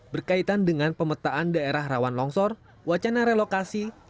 berkaitan dengan pemetaan daerah rawan longsor wacana relokasi